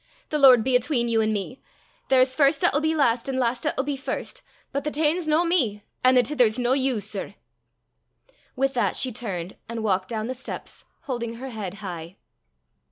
The Lord be atween you an' me! There's first 'at 'll be last, an' last 'at 'll be first. But the tane's no me, an' the tither's no you, sir." With that she turned and walked down the steps, holding her head high.